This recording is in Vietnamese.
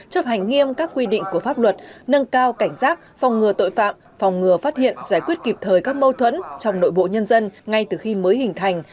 chấp hành nghiêm các quy định của pháp luật nâng cao cảnh giác phòng ngừa tội phạm phòng ngừa phát hiện giải quyết kịp thời các mâu thuẫn trong nội bộ nhân dân ngay từ khi mới hình thành